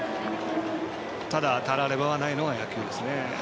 ただ、たらればがないのが野球ですね。